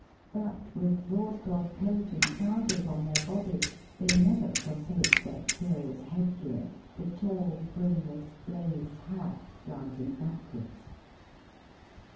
But with broadcloth coat and trousers on their body, they never forsake their curious headgear, the tall, brimless, glazed hat slanting backwards.